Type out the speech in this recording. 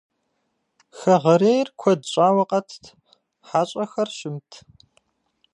Хэгъэрейр куэд щӀауэ къэтт, хьэщӏэхэр щымт.